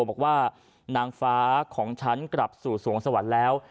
บอกว่านางฟ้าของฉันกลับสู่สวงสวรรค์แล้ว